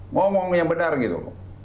ngomong yang benar gitu